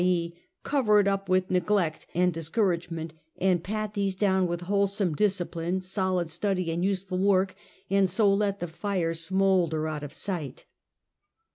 e., cover it up with neglect and discourage ment, and pat these down with wholesome discipline, solid study and useful work, and so let the fire smoul der out of sight.